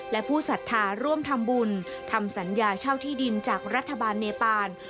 และผู้ศรัทธาร่วมทำบุญทำสัญญาเช่าที่ดินจากรัฐบาลเนปาน